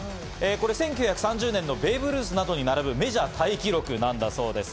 １９３０年のベーブ・ルースなどに並ぶメジャータイ記録なんだそうです。